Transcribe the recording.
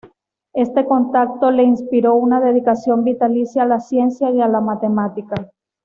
Este contacto le inspiró una dedicación vitalicia a la ciencia y la matemática.